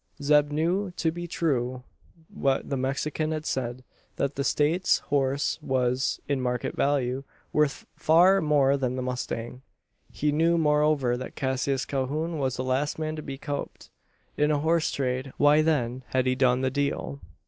Zeb knew to be true what the Mexican had said: that the States horse was, in market value, worth far more than the mustang. He knew, moreover, that Cassius Calhoun was the last man to be "coped" in a horse trade. Why, then, had he done the "deal?"